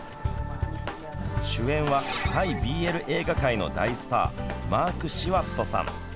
主演はタイＢＬ映画界の大スターマーク・シワットさん。